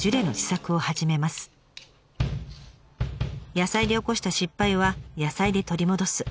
野菜で起こした失敗は野菜で取り戻す。